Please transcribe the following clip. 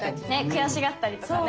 悔しがったりとかね。